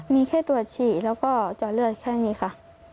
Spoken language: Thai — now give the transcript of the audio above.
มีแค่ตรวจฉี่แล้วก็เจาะเลือดแค่นี้ค่ะ